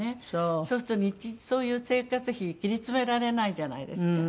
そうするとそういう生活費切り詰められないじゃないですか。